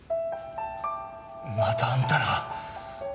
またあんたら！